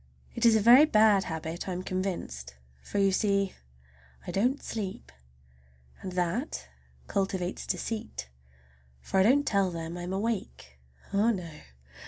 It is a very bad habit, I am convinced, for, you see, I don't sleep. And that cultivates deceit, for I don't tell them I'm awake,—oh, no!